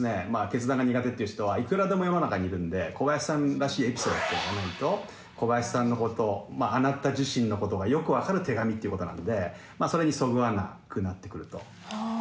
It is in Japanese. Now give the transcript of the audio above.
決断が苦手っていう人はいくらでも世の中にいるんで小林さんらしいエピソードがないと小林さんのことあなた自身のことがよく分かる手紙っていうことなのでそれにそぐわなくなってくると。